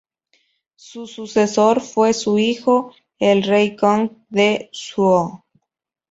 Su sucesor fue su hijo, el rey Gong de Zhou.